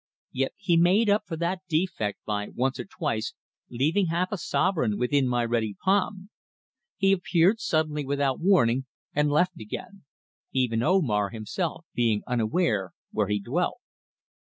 Yet he made up for that defect by once or twice leaving half a sovereign within my ready palm. He appeared suddenly without warning, and left again, even Omar himself being unaware where he dwelt.